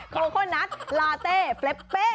โคกนัตลาเทลเป